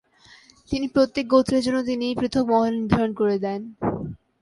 তিনি প্রত্যেক গোত্রের জন্য তিনি পৃথক মহল্লা নির্ধারণ করে দেন।